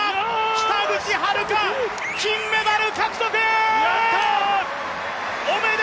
北口榛花、金メダル！